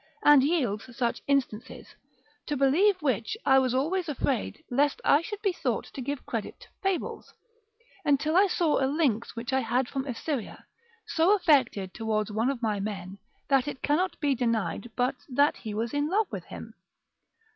and yields such instances, to believe which I was always afraid lest I should be thought to give credit to fables, until I saw a lynx which I had from Assyria, so affected towards one of my men, that it cannot be denied but that he was in love with him.